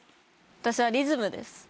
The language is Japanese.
私は『リズム』です。